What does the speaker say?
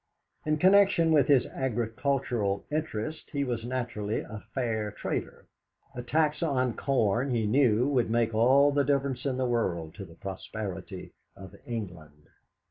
In connection with his agricultural interests he was naturally a Fair Trader; a tax on corn, he knew, would make all the difference in the world to the prosperity of England.